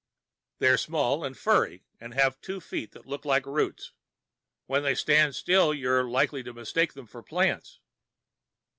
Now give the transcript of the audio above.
"They're small and furry, and have two feet that look like roots. When they stand still you're likely to mistake them for plants."